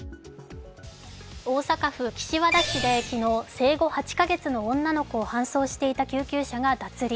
大阪府岸和田市で昨日生後８か月の女の子を搬送していた救急車が脱輪。